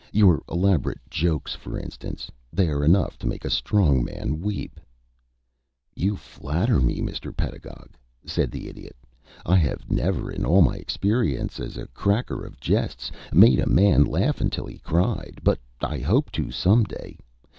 "Your elaborate jokes, for instance. They are enough to make strong men weep." "You flatter me, Mr. Pedagog," said the Idiot. "I have never in all my experience as a cracker of jests made a man laugh until he cried, but I hope to some day.